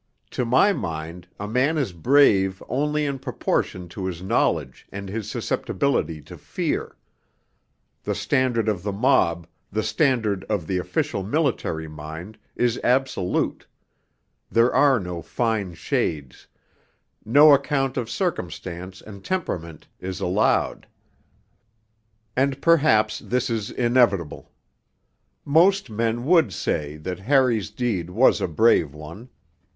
To my mind, a man is brave only in proportion to his knowledge and his susceptibility to fear; the standard of the mob, the standard of the official military mind, is absolute; there are no fine shades no account of circumstance and temperament is allowed and perhaps this is inevitable. Most men would say that Harry's deed was a brave one.